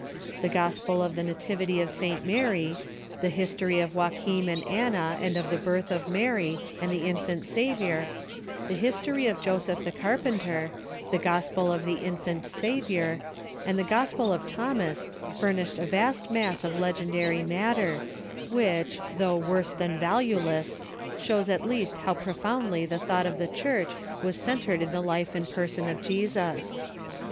The Gospel of the Na counts of Jesus j *i i tivity of St. Mary, the History of Joachim and Anna and of tlie Birth of Mary and the Infant Saviojir, the History of Joseph the Carpenter, the Gospel of the Infant Saviour, and the Gospel of Thomas furnished a vast mass of leo endary matter, which, tliough worse than valueless, shows at least how profoundly the thought of the Church was cen tred in the life and person of Jesus.